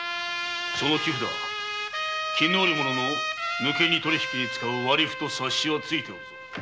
その木札絹織物の抜け荷取り引きに使う割符と察しはついておる。